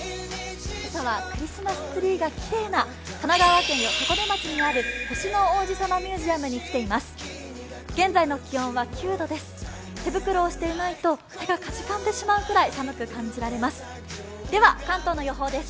今朝はクリスマスツリーがきれいな神奈川県箱根町にある星の王子さまミュージアムに来ています。